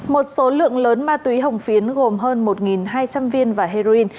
một số lượng lớn ma túy hồng phiến gồm hơn một hai trăm linh viên và heroin